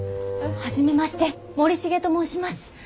初めまして森重と申します。